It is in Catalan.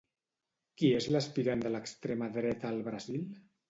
Qui és l'aspirant de l'extrema dreta al Brasil?